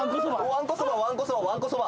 わんこそばわんこそばわんこそば。